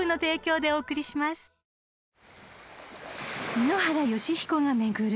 ［井ノ原快彦が巡る